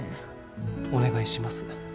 お願いします。